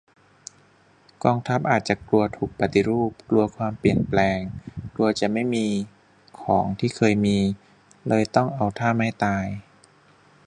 กองทัพอาจจะกลัวถูกปฏิรูป กลัวความเปลี่ยนแปลง กลัวจะไม่มีของที่เคยมี เลยต้องเอาท่าไม้ตาย